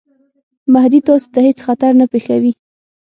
مهدي تاسي ته هیڅ خطر نه پېښوي.